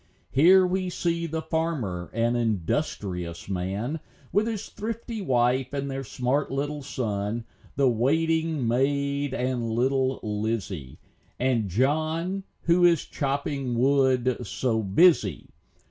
Here we see the farmer, an industrious man, With his thrifty wife, and their smart little son, The waiting maid and little Lizzy, And John, who is chopping wood, so busy.